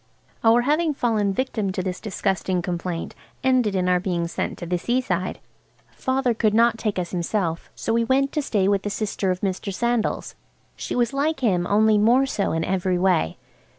Our having fallen victims to this disgusting complaint ended in our being sent to the seaside. Father could not take us himself, so we went to stay with a sister of Mr. Sandal's. She was like him, only more so in every way.